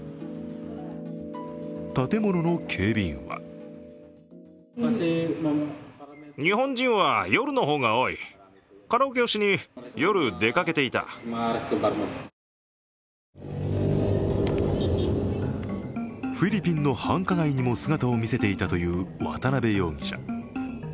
建物の警備員はフィリピンの繁華街にも姿を見せていたという渡辺容疑者。